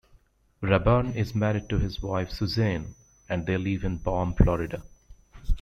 Raburn is married to his wife Suzanne and they live in Balm, Florida.